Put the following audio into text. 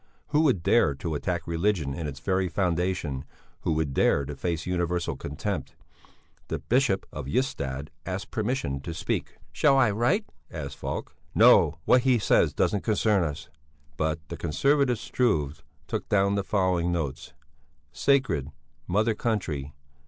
Who would dare to attack religion in its very foundation, who would dare to face universal contempt? The Bishop of Ystad asked permission to speak. "Shall I write?" asked Falk. "No, what he says doesn't concern us." But the conservative Struve took down the following notes: Sacred. Int. Mother country.